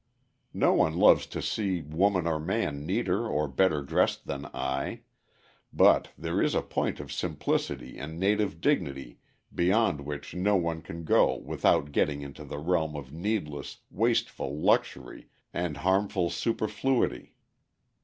No one loves to see woman or man neater or better dressed than I, but there is a point of simplicity and native dignity beyond which no one can go without getting into the realm of needless, wasteful luxury and harmful superfluity.